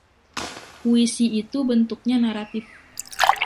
Puisi itu bentuknya naratif.